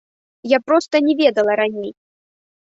Я проста не ведала раней.